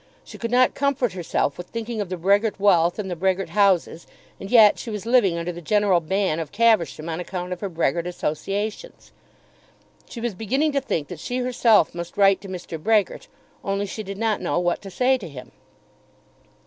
She could not comfort herself with thinking of the Brehgert wealth and the Brehgert houses, and yet she was living under the general ban of Caversham on account of her Brehgert associations. She was beginning to think that she herself must write to Mr. Brehgert, only she did not know what to say to him.